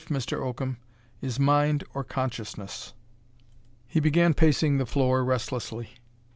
Life, Mr. Oakham, is mind or consciousness." He began pacing the floor restlessly.